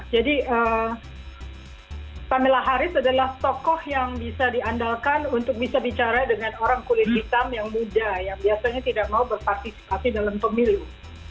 jadi kamala harris adalah tokoh yang bisa diandalkan untuk bisa bicara dengan orang kulit hitam yang muda yang biasanya tidak mau berpartisipasi dalam pemiliu